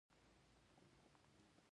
ایا زه باید منډه وکړم؟